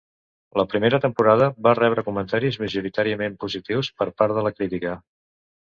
La primera temporada va rebre comentaris majoritàriament positius per part de la crítica.